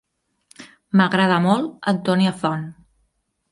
M'agrada molt Antònia Font.